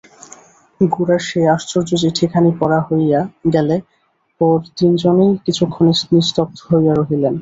গোরার সেই আশ্চর্য চিঠিখানি পড়া হইয়া গেলে পর তিনজনেই কিছুক্ষণ নিস্তব্ধ হইয়া রহিলেন।